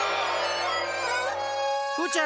フーちゃん